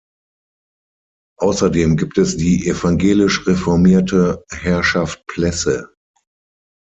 Außerdem gibt es die evangelisch-reformierte "Herrschaft Plesse".